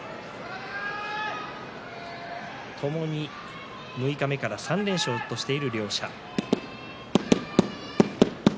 ともに六日目から３連勝としている両者。